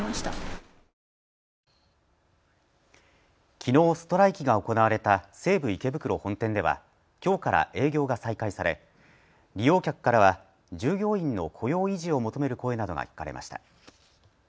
きのうストライキが行われた西武池袋本店ではきょうから営業が再開され利用客からは従業員の雇用維持を求める声などが聞かれました。